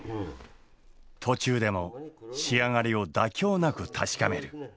途中でも仕上がりを妥協なく確かめる。